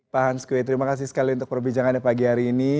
pak hans kue terima kasih sekali untuk perbincangannya pagi hari ini